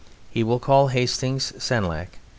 He will call Hastings Senlac.